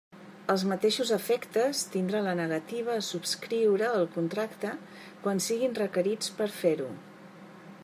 Els mateixos efectes tindrà la negativa a subscriure el contracte quan siguin requerits per fer-ho.